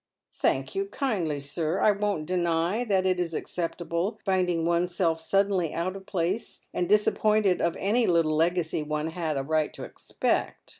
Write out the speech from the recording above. " Thank you kindly, sir. I won't deny that it is acceptable, finding one's self suddenly out of place, and disappointed of any little legacy one had a right to expect.